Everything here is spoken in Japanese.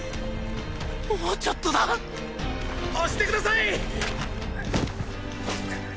もうちょっとだ押してください！